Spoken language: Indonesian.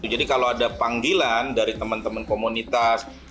jadi kalau ada panggilan dari teman teman komunitas